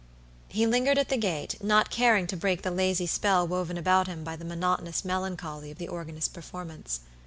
He lingered at the gate, not caring to break the lazy spell woven about him by the monotonous melancholy of the organist's performance.